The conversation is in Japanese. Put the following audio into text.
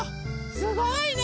すごいね！